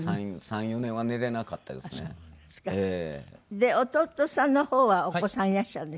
で弟さんの方はお子さんいらっしゃるんですか？